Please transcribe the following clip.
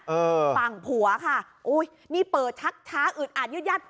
เออฝั่งผัวค่ะอุ้ยนี่เปิดชักช้าอึดอาดยืดยัด